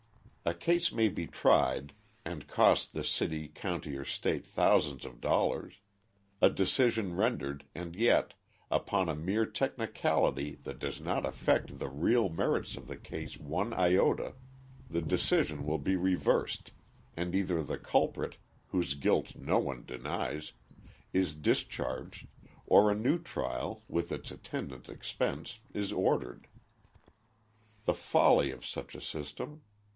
A case may be tried, and cost the city, county, or state thousands of dollars; a decision rendered, and yet, upon a mere technicality that does not affect the real merits of the case one iota, the decision will be reversed, and either the culprit whose guilt no one denies is discharged, or a new trial, with its attendant expense, is ordered. The folly of such a system!